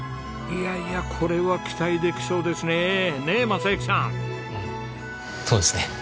いやいやこれは期待できそうですね。